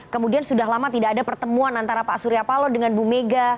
kemudian sudah lama tidak ada pertemuan antara pak surya palo dengan bu mega